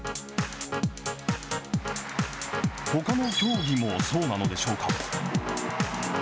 ほかの競技もそうなのでしょうか。